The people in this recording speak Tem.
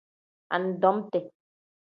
Anidomiti.